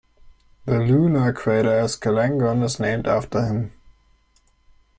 The lunar crater Esclangon is named after him.